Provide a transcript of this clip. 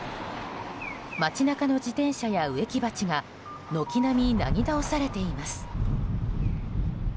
街中の自転車や植木鉢が軒並みなぎ倒されています。